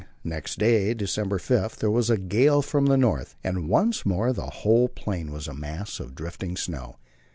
Next day (December 5) there was a gale from the north, and once more the whole plain was a mass of drifting snow.